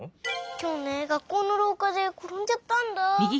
きょうね学校のろうかでころんじゃったんだ。